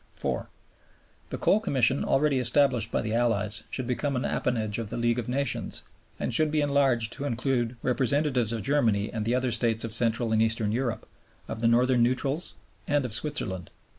(4) The Coal Commission already established by the Allies should become an appanage of the League of Nations, and should be enlarged to include representatives of Germany and the other States of Central and Eastern Europe, of the Northern Neutrals, and of Switzerland.